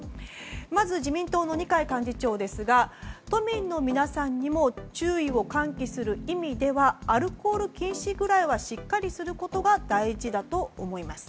まず自民党の二階幹事長ですが都民の皆さんにも注意を喚起する意味ではアルコール禁止ぐらいはしっかりすることが大事だと思います。